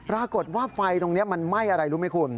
ปรากฏว่าไฟตรงนี้มันไหม้อะไรรู้ไหมคุณ